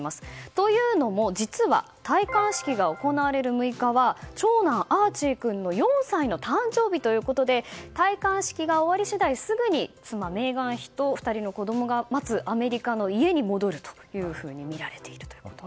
というのも実は戴冠式が行われる６日は長男アーチー君の４歳の誕生日ということで戴冠式が終わり次第すぐに妻のメーガン妃と２人の子供が待つアメリカの家に戻るとみられています。